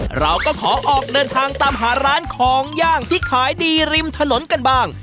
เราก็ขอออกเดินทางตามหาร้านของย่างที่ขายดีริมถนนกันบ้าง